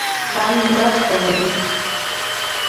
غم مه کوئ